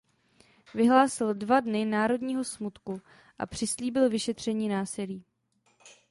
Vyhlásil dva dny národního smutku a přislíbil vyšetření násilí.